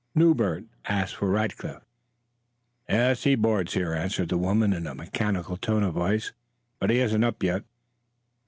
Newbert asked for Rackliff. "Yes, he boards here," answered the woman in a mechanical tone of voice; "but he isn't up yet."